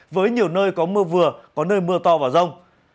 với nhiều nơi có mưa vừa có nơi mưa to và rông